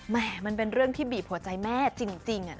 มันเป็นเรื่องที่บีบหัวใจแม่จริง